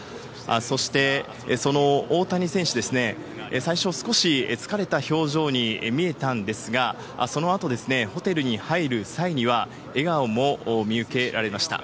そして、その大谷選手ですね、最初、少し疲れた表情に見えたんですが、そのあと、ホテルに入る際には、笑顔も見受けられました。